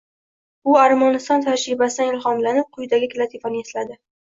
U Armaniston tajribasidan ilhomlanib, quyidagi latifani esladi: “